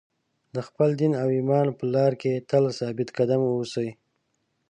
د خپل دین او ایمان په لار کې تل ثابت قدم اوسئ.